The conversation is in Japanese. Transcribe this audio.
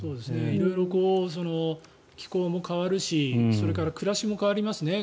色々、気候も変わるしそれから暮らしも変わりますね。